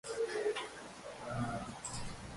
It has a large number of rockpools.